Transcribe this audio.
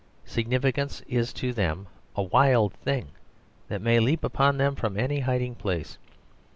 Significance is to them a wild thing that may leap upon them from any hiding place.